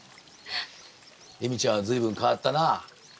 エミちゃんは随分変わったな。